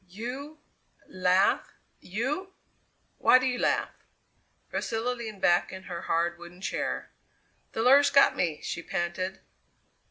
"You laugh you! Why do you laugh?" Priscilla leaned back in her hard wooden chair. "The lure's got me!" she panted.